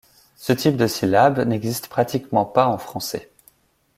Ce type de syllabe n'existe pratiquement pas en français.